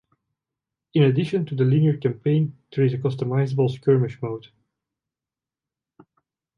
In addition to the linear campaign, there is a customizable skirmish mode.